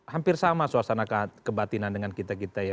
hampir sama suasana kebatinan dengan kita kita ya